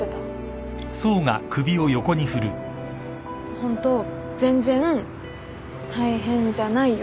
ホント全然大変じゃないよ。